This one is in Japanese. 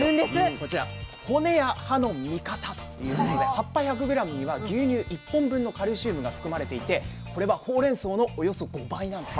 こちら「骨や歯の味方！」ということで葉っぱ１００ｇには牛乳１本分のカルシウムが含まれていてこれはほうれんそうのおよそ５倍なんです。